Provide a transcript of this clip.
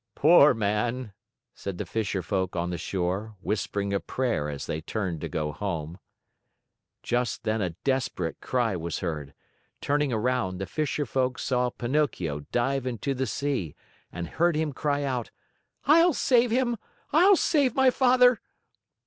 "Poor man!" said the fisher folk on the shore, whispering a prayer as they turned to go home. Just then a desperate cry was heard. Turning around, the fisher folk saw Pinocchio dive into the sea and heard him cry out: "I'll save him! I'll save my father!"